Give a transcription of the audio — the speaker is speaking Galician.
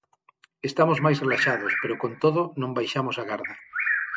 Estamos máis relaxados pero con todo non baixamos a garda.